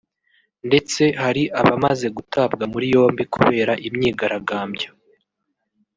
ndetse hari abamaze gutabwa muri yombi kubera imyigaragambyo